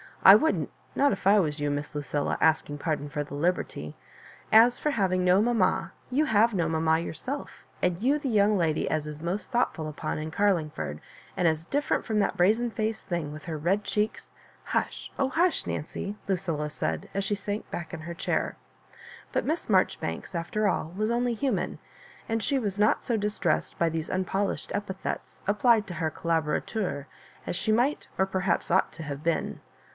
"I wouldn't, not if I was you, Miss Lucilla, asking pardon for the liberty : as for having no mamma, you have no mamma yourself, and you the young lady as is most thought upon in parlingford, and as different from that brazen ^ced thing, with her red cheeks ^" Hush, oh hush, Nancy," Lucilla said, as she sank back in her cnair; but Miss Marjoribanks, after all, was only hupan, and she was not so distressed by these unpolished epithets applied to her coUoiorateuf as she might or perhaps ought to have been.